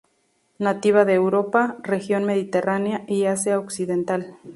Nativa de Europa, región mediterránea, y Asia occidental.